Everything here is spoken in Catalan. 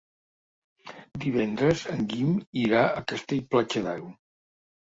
Divendres en Guim irà a Castell-Platja d'Aro.